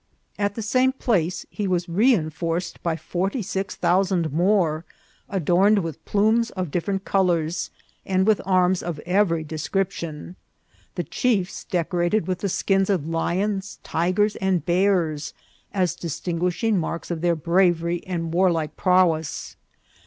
At the same place he was re en forced by forty six thousand more, adorned with plumes of different colours, and with arms of every description, the chiefs decorated with the skins of lions, tigers, and bears, as distinguishing marks of their bravery and war like prowess.